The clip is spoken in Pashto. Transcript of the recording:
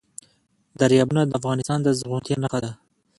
دریابونه د افغانستان د زرغونتیا نښه ده.